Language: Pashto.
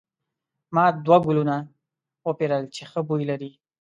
ما دوه ګلونه وپیرل چې ښه بوی لري.